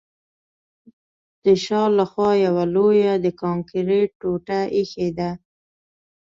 د شا له خوا یوه لویه د کانکریټ ټوټه ایښې ده